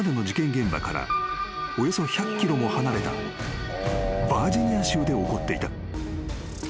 現場からおよそ１００ｋｍも離れたバージニア州で起こっていた］